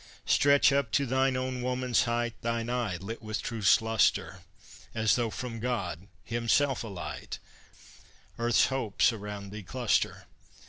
Stretch up to thine own woman's height, Thine eye lit with truth's lustre, As though from God, Himself a light, Earth's hopes around thee cluster.